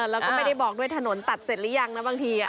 แล้วก็ไม่ได้บอกด้วยถนนตัดเสร็จหรือยังนะบางที